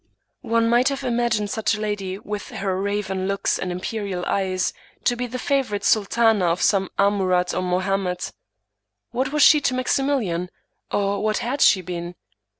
One might have imagined such a lady, with her raven locks and imperial eyes, to be the favorite sultana of some Amurath or Mohammed. What was she to Maximilian, or what had she been